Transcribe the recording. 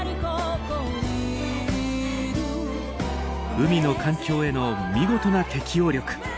海の環境への見事な適応力。